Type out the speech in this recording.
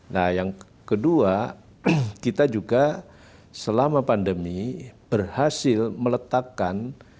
nah yang kedua kita juga selama pandemi berhasil meletakkan